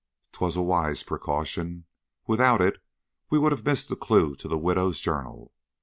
'T was a wise precaution. Without it we would have missed the clue to the widow's journal.